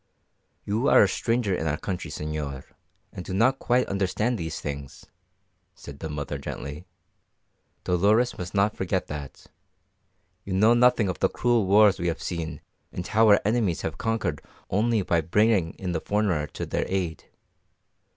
"You are a stranger in our country, señor, and do not quite understand these things," said the mother gently. "Dolores must not forget that. You know nothing of the cruel wars we have seen and how our enemies have conquered only by bringing in the foreigner to their aid.